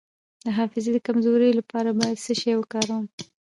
د حافظې د کمزوری لپاره باید څه شی وکاروم؟